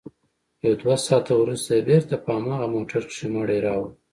يو دوه ساعته وروسته يې بېرته په هماغه موټر کښې مړى راوړ.